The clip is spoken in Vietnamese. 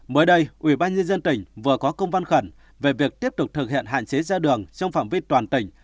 mới đây ủy ban nhân dân tỉnh vừa có công văn khẩn về việc tiếp tục thực hiện hạn chế ra đường trong phạm viên toàn tỉnh